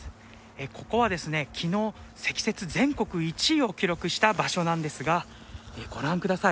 ここは昨日、積雪全国１位を記録した場所なんですがご覧ください。